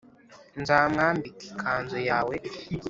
nzamwambike ikanzu yawe,